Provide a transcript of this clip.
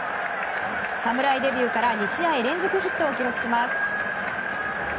侍デビューから２試合連続ヒットを記録します。